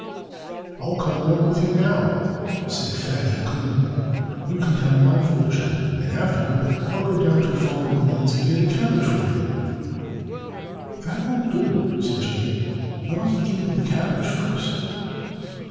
"I'll come along with you now," said Fatty Coon. "You can tell my fortune. And afterward I'll go down to Farmer Green's and get a cabbage for you." "That won't do!" said Jimmy. "You'll have to give me the cabbage first."